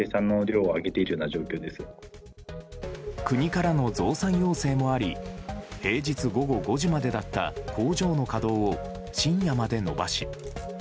国からの増産要請もあり平日午後５時までだった工場の稼働を深夜まで延ばし